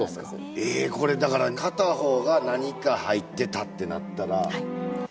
だから片方が何か入ってたってなったら。